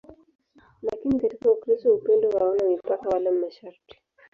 Lakini katika Ukristo upendo hauna mipaka wala masharti.